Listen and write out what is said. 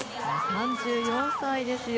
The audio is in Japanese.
３４歳ですよ。